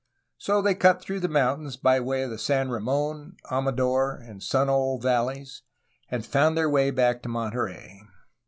So they cut through the mountains by way of the San Ramon, Amador, and Sunol valleys, and found their way back to Monterey.